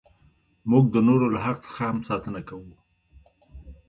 موږ د نورو له حق څخه هم ساتنه کوو.